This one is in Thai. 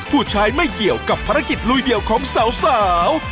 ผู้ชายไม่เกี่ยวกับภารกิจลุยเดี่ยวของสาว